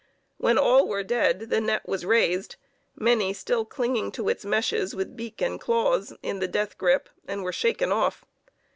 When all were dead, the net was raised, many still clinging to its meshes with beak and claws in their death grip and were shaken off.